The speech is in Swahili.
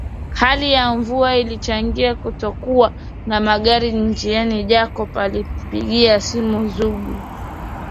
Hali ya mvua ilichangia kutokuwa na magari njiani Jacob alimpigia simu Zugu